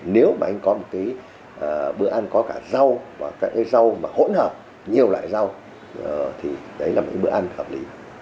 nếu mà anh có một bữa ăn có cả rau và hỗn hợp nhiều loại rau thì đấy là một bữa ăn hợp lý